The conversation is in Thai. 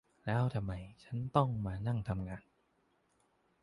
แล้วทำไมฉันต้องมานั่งทำงาน